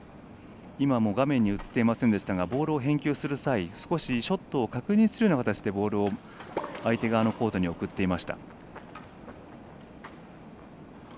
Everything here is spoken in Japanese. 今も画面に映っていませんでしたがボールを返球する際、ショットを確認するような形でボールを相手側のコートに送っていました。